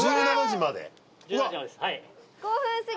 １７時までです